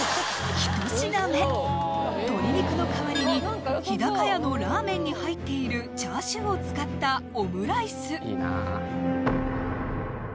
１品目鶏肉の代わりに日高屋のラーメンに入っているチャーシューを使ったオムライス